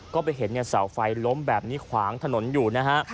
ก็ไปเห็นเสาไฟล้มแบบนี้ขวางถนนอยู่นะฮะ